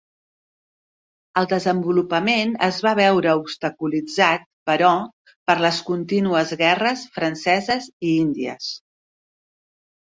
El desenvolupament es va veure obstaculitzat, però, per les contínues guerres franceses i índies.